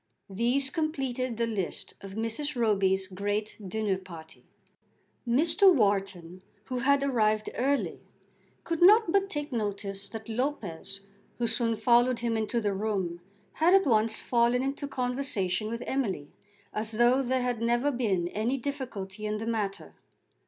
These completed the list of Mrs. Roby's great dinner party. Mr. Wharton, who had arrived early, could not but take notice that Lopez, who soon followed him into the room, had at once fallen into conversation with Emily, as though there had never been any difficulty in the matter.